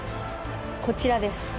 こちらです。